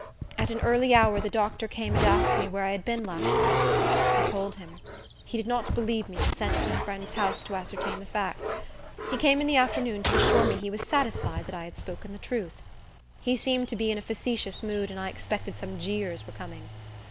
At an early hour the doctor came and asked me where I had been last night. I told him. He did not believe me, and sent to my friend's house to ascertain the facts. He came in the afternoon to assure me he was satisfied that I had spoken the truth. He seemed to be in a facetious mood, and I expected some jeers were coming.